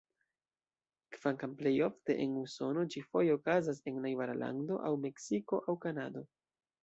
Kvankam plejofte en Usono, ĝi foje okazas en najbara lando, aŭ Meksiko aŭ Kanado.